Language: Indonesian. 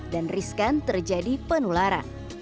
dan risikan terjadi penularan